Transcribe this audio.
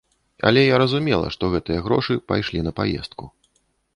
Але я разумела, што гэтыя грошы пайшлі на паездку.